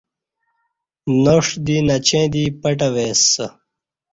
ناݜ دی نچیں دے پٹہ وے سہ